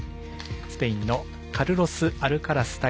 スペインのカルロス・アルカラス対